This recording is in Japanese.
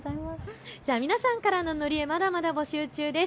皆さんからの塗り絵、まだまだ募集中です。